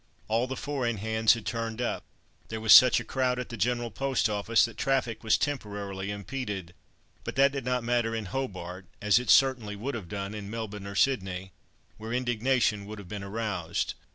All the four in hands had turned up; there was such a crowd at the General Post Office, that traffic was temporarily impeded. But that did not matter in Hobart, as it certainly would have done in Melbourne or Sydney—where indignation would have been aroused.